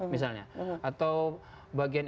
misalnya atau bagian